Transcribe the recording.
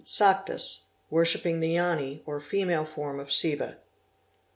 Saktas worshiping the Yoni or female form of Siva.